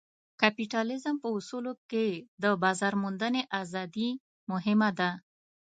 کپیټالیزم په اصولو کې د بازار موندنې ازادي مهمه ده.